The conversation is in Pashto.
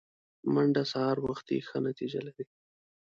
منډه سهار وختي ښه نتیجه لري